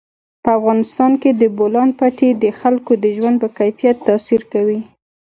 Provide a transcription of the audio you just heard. په افغانستان کې د بولان پټي د خلکو د ژوند په کیفیت تاثیر کوي.